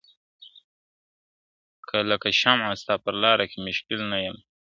که لکه شمع ستا په لاره کي مشل نه یمه !.